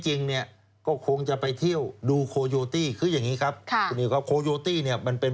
จริงก็คงจะไปเที่ยวดูโคโยตี้คืออย่างนี้ครับโคโยตี้เนี่ยมันเป็น